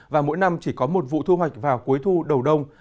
và mỗi năm chỉ có một vụ thu hoạch vào cuối thu đầu đông